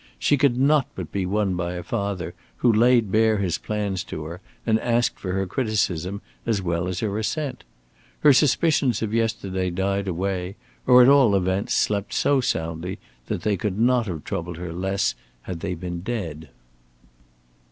She could not but be won by a father who laid bare his plans to her and asked for her criticism as well as her assent. Her suspicions of yesterday died away, or, at all events, slept so soundly that they could not have troubled her less had they been dead.